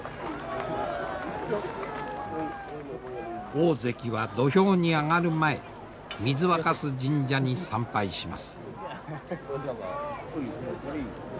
大関は土俵に上がる前水若酢神社に参拝します。